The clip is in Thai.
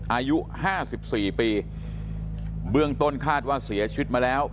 อายุห้าสิบสี่ปีเบื้องต้นคาดว่าเสียชีวิตมาแล้ว